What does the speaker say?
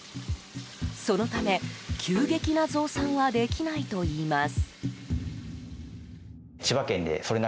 そのため、急激な増産はできないといいます。